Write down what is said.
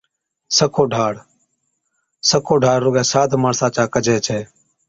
سکوڍاڙ، سکوڍاڙ رُگَي ساد ماڻسا چا ڪجَي ڇَي